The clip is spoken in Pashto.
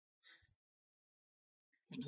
د اور وژنې نشتون سرمایه سوځوي.